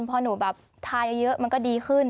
พอหนูแบบทายเยอะมันก็ดีขึ้น